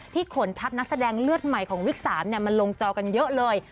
ขนทัพนักแสดงเลือดใหม่ของวิก๓มาลงจอกันเยอะเลย